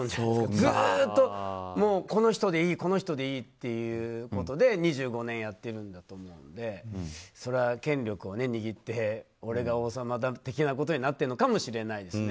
ずっとこの人でいいっていうことで２５年やってるんだと思うので権力を握って俺が王様だ的なことになっているのかもしれないですね。